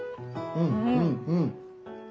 うんうんうん。